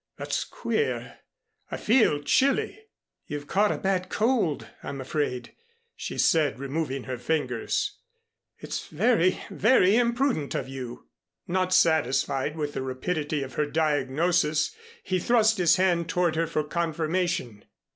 "That's queer, I feel chilly." "You've caught a bad cold, I'm afraid," she said, removing her fingers. "It's very very imprudent of you." Not satisfied with the rapidity of her diagnosis, he thrust his hand toward her for confirmation.